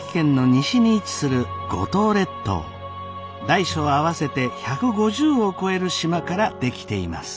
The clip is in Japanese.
大小合わせて１５０を超える島から出来ています。